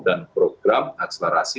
dan program akselerasi